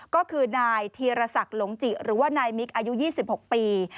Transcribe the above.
ก็คือนายธีรศักดิ์หลงจิหรือว่านายมิกอายุ๒๖ปี